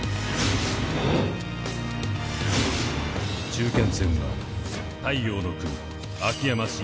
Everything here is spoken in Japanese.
中堅戦は太陽ノ国秋山深